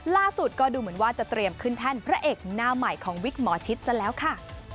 ล่าสุดก็ดูเหมือนว่าจะเตรียมขึ้นแท่นพระเอกหน้าใหม่ของวิกหมอชิดซะแล้วค่ะ